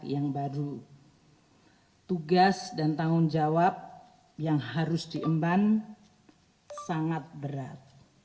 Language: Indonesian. yang baru tugas dan tanggung jawab yang harus diemban sangat berat